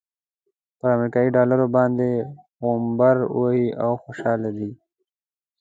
پر امريکايي ډالرو باندې غومبر وهي او خوشحاله دی.